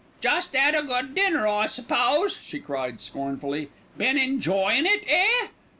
"Just 'ad a good dinner, I suppose," she cried scornfully. "Been enjoyin' it, eh?